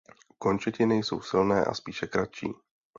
Končetiny jsou silné a spíše kratší.